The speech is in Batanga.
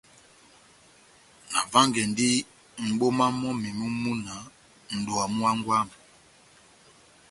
Navángɛndi mʼboma mɔ́mi mú múna nʼdowa mú hángwɛ wami.